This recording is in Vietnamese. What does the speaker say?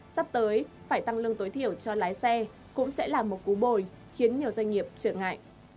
sắp tới phải tăng lương tối thiểu cho lái xe cũng sẽ là một cú bồi khiến nhiều doanh nghiệp trở ngại